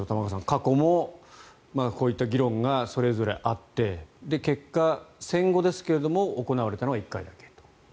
過去もこういった議論がそれぞれあって結果、戦後ですが行われたのは１回だけ。